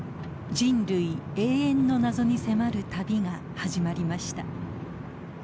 人類永遠の謎に迫る旅が始まりました。